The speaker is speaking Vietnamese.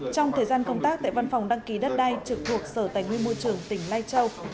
trong thời gian công tác tại văn phòng đăng ký đất đai trực thuộc sở tài nguyên môi trường tỉnh lai châu